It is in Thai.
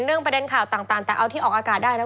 เรื่องประเด็นข่าวต่างแต่เอาที่ออกอากาศได้นะ